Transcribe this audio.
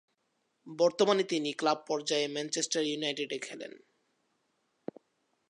বর্তমানে তিনি ক্লাব পর্যায়ে ম্যানচেস্টার ইউনাইটেডে খেলেন।